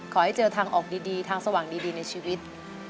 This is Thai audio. ขอให้เจอทางออกดีทางสว่างดีในชีวิต